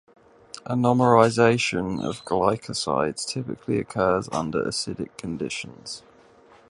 Anomerization of glycosides typically occurs under acidic conditions.